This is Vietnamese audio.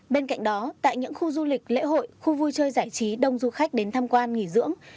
bên cạnh đó tại những khu du lịch lễ hội khu vui chơi giải trí đông du khách đến tham quan nghỉ dưỡng